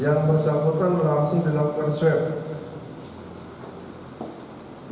yang bersangkutan langsung dilakukan swab